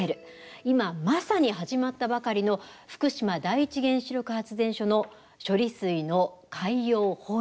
今まさに始まったばかりの福島第一原子力発電所の処理水の海洋放出。